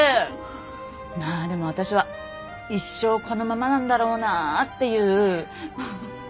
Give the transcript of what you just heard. まあでも私は一生このままなんだろうなっていう。